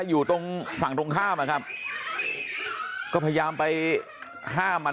อยู่ตรงฝั่งตรงข้ามอะครับก็พยายามไปห้ามมัน